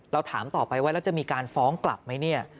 เราถามต่อไปว่าแล้วจะมีการฟ้องกลับไหมเนี่ย